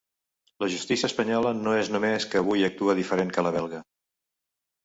La justícia espanyola no és només que avui actua diferent que la belga.